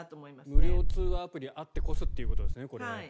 無料通話アプリがあってこそということですね。